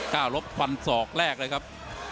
กล้าลบฟันศอกแรกเลยครับ